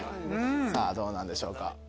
さぁどうなんでしょうか。